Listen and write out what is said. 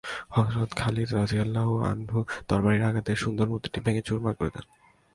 হযরত Khalid রাযিয়াল্লাহু আনহু তরবারির আঘাতে সুন্দর মূর্তিটি ভেঙ্গে চুরমার করে দেন।